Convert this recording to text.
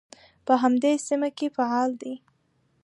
په همدې سیمه کې فعال دی.